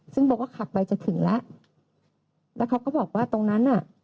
ซึ่งบอกว่าขับไปจะถึงแล้วแล้วเขาก็บอกว่าตรงนั้นน่ะ